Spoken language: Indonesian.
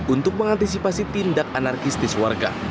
untuk mengantisipasi tindak anarkistis warga